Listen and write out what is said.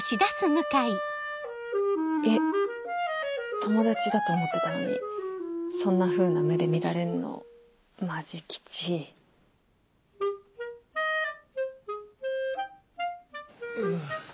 えっ友達だと思ってたのにそんなふうな目で見られんのマジきちうぅ。